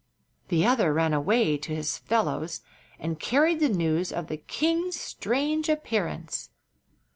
The other ran away to his fellows and carried the news of the king's strange appearance.